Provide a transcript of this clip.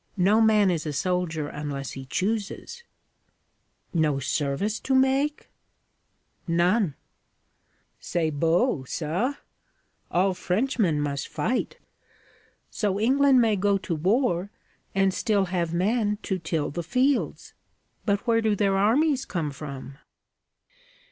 No man is a soldier unless he chooses.' 'No service to make?' 'None.' 'C'est beau, ça! All Frenchmen must fight. So England may go to war, and still have men to till the fields. But where do their armies come from?'